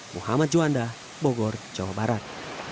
muhammad juanda bogor jawa barat